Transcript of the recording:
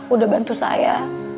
udah bantu saya